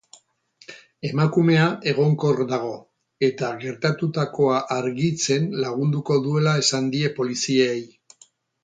Emakumea egonkor dago, eta gertatutakoa argitzen lagunduko duela esan die poliziei.